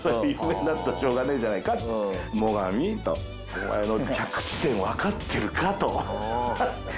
お前の着地点わかってるか？と。